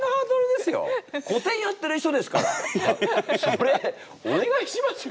それお願いしますよ